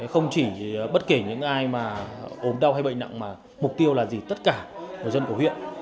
không chỉ bất kể những ai mà ồn đau hay bệnh nặng mà mục tiêu là gì tất cả người dân của huyện